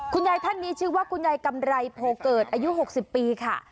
ท่านนี้ชื่อว่าคุณยายกำไรโพเกิดอายุ๖๐ปีค่ะ